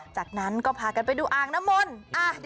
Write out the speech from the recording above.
อ๋อใช่ครับก็ถือว่าเป็นอีกหนึ่งกิจกรรมของ